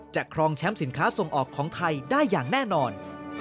ครองแชมป์สินค้าส่งออกของไทยได้อย่างแน่นอน